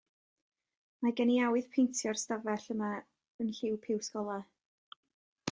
Mae gen i awydd paentio'r stafell yma yn lliw piws golau.